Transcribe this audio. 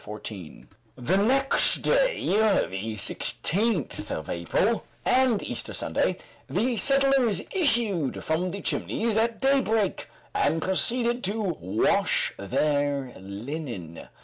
Chapter 14 The next day, the 16th of April, and Easter Sunday, the settlers issued from the Chimneys at daybreak, and proceeded to wash their linen.